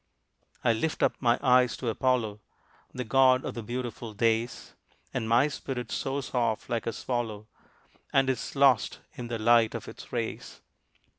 I lift up my eyes to Apollo, The god of the beautiful days, And my spirit soars off like a swallow And is lost in the light of its rays.